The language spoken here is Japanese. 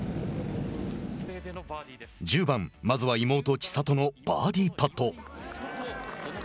１０番、まずは妹、千怜のバーディーパット。